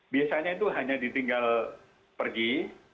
biasanya itu hanya ditinggal pergi